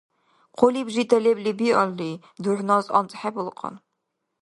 Хъулиб жита лебли биалли, дурхӀнас анцӀхӀебулкьан.